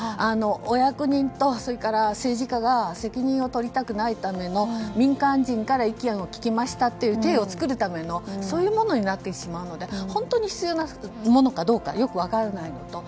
お役人と政治家が責任を取りたくないための民間人から意見を聞きましたというていを作るためのそういうものになってしまうので本当に必要なものかどうかよく分からないと。